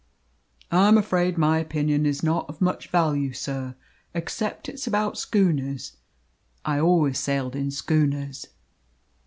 "I am afraid my opinion is not of much value, sir, except it's about schooners I always sailed in schooners."